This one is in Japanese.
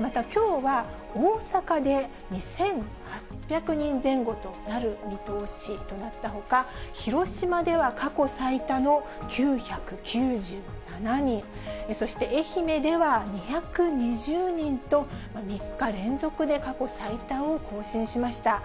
またきょうは大阪で２８００人前後となる見通しとなったほか、広島では過去最多の９９７人、そして、愛媛では２２０人と、３日連続で過去最多を更新しました。